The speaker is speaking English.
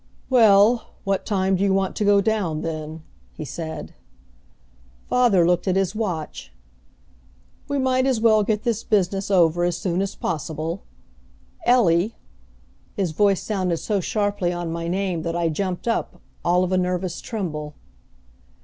"Well, what time do you want to go down, then?" he said. Father looked at his watch. "We might as well get this business over as soon as possible. Ellie " His voice sounded so sharply on my name that I jumped up, all of a nervous tremble.